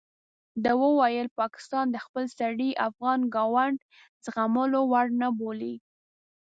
ده وویل پاکستان د خپل سرۍ افغان ګاونډ زغملو وړ نه بولي.